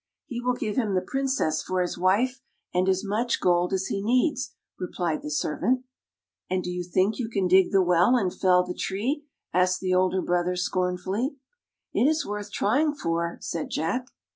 " He will give him the Princess for his wife, and as much gold as he needs," replied the servant. " And do you think you can dig the well, and fell the tree? " asked the older brothers scornfully. " It is worth trying for," said Jack.